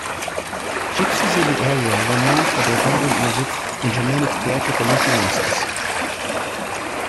Gypsies in the area were known for their vibrant music and Germanic theatrical influences.